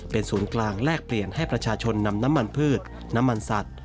เป็นศูนย์กลางแลกเปลี่ยนให้ประชาชนนำน้ำมันพืชน้ำมันสัตว์